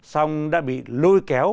xong đã bị lôi kéo